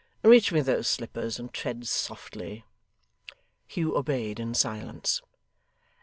Reach me those slippers, and tread softly.' Hugh obeyed in silence.